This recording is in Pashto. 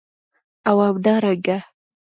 او همدارنګه